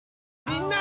みんな！